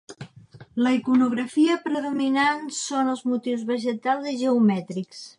La iconografia predominant són els motius vegetals i geomètrics.